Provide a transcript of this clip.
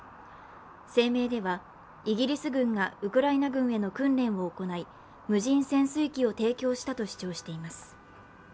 声明ではイギリス軍がウクライナ軍への訓練を行い、無人潜水機を提供したと主張しています。